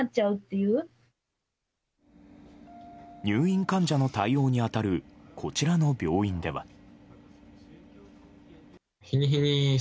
入院患者の対応に当たるこちらの病院では。